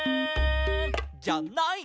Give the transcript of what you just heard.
「じゃない」